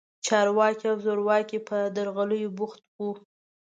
چارواکي او زورواکي په درغلیو بوخت وو.